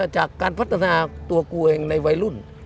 จากการพัฒนาตัวกูเองในวัยรุ่น